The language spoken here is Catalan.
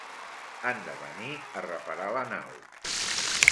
Han de venir a reparar la nau.